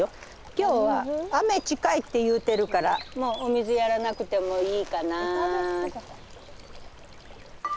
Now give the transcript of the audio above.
今日は雨近いって言うてるからもうお水やらなくてもいいかな。